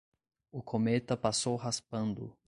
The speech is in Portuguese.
O cometa passou raspando